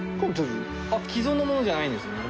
既存のものじゃないんですね。